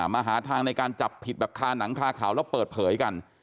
มาหาทางในการจับผิดแบบคาหนังคาเขาแล้วเปิดเผยกัน